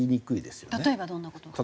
例えばどんな事が？